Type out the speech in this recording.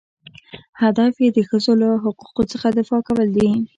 هدف یې د ښځو له حقوقو څخه دفاع کول دي.